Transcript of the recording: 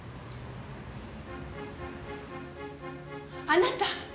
あなた！